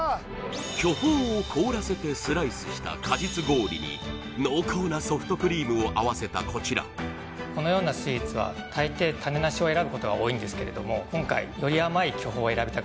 巨峰を凍らせてスライスした果実氷に濃厚なソフトクリームを合わせたこちらこのようなスイーツは大抵今回を選びました